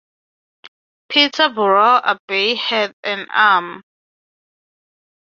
Peterborough Abbey had an arm.